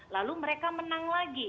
lalu mereka menang lagi